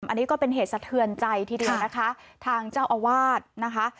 อันนี้ก็เป็นเหตุสะเทือนใจทีเดียวนะคะทางเจ้าอาวาสนะคะ